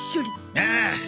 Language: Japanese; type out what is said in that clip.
ああ。